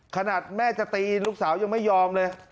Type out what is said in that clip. ขนาดแม่จะตีลูกสาวยังไม่ยอมเลย